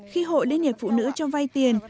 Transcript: khi hội định cho vai tiền